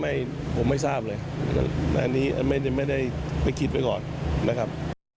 ไม่ผมไม่ทราบเลยอันนี้ไม่ได้คิดไว้ก่อนนะครับ